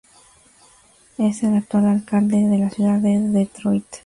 Es el actual alcalde de la ciudad de Detroit.